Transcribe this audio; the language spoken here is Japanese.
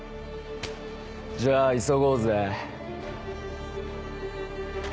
じゃあ急ごうぜ。